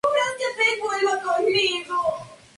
Se formó en la cantera del Athletic Club.